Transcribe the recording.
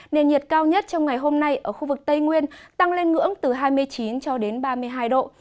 nền nhiệt cao nhất trong ngày hôm nay ở khu vực tây nguyên tăng lên ngưỡng từ hai mươi chín cho đến ba mươi hai độ